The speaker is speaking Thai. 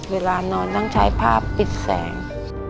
เวลานอนต้องใช้ผ้าปิดแสง